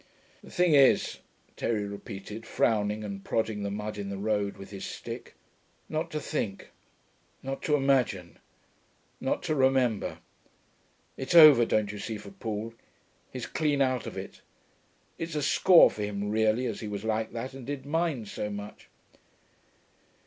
'The thing is,' Terry repeated, frowning, and prodding the mud in the road with his stick, 'not to think. Not to imagine. Not to remember.... It's over, don't you see, for Paul. He's clean out of it.... It's a score for him really, as he was like that and did mind so much.'